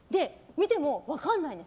見ても分からないんです。